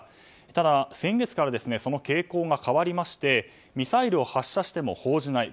ただ、先月からその傾向が変わりましてミサイルを発射しても報じない。